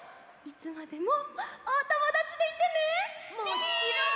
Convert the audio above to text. もちろん！